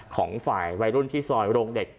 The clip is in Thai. ของฝ่ายวัยรุ่นที่ซอยโรงเด็ก